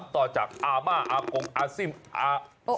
ต่อจากอามาอากงอาซิฮ์อาซ้อ